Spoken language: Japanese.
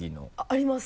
あります。